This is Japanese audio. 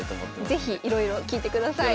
是非いろいろ聞いてください。